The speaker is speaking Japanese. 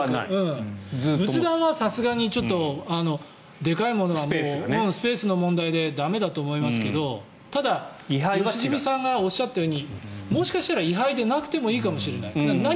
仏壇はさすがにでかいものはスペースの問題で駄目だと思いますけどただ良純さんがおっしゃったようにもしかしたら位牌でなくてもいいかもしれない。